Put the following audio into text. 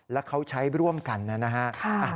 และเขาใช้ร่วมกันนะครับ